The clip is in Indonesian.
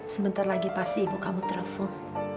sebentar lagi pasti ibu kamu telepon